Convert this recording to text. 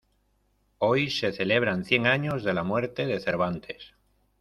Hoy se celebran cien años de la muerte de Cervantes.